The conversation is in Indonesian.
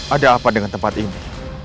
ada apa dengan tempat ini